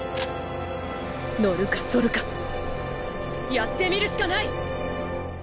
のるかそるかやってみるしかない！